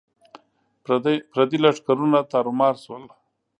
پردي لښکرونه تارو مار شول.